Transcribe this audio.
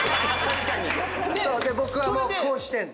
僕はこうしてんの。